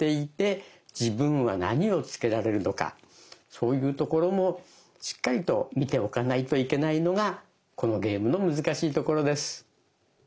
そういうところもしっかりと見ておかないといけないのがこのゲームの難しいところです。